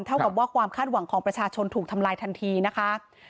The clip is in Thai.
เท่ากับว่าความคาดหวังของประชาชนถูกทำลายทันทีนะคะ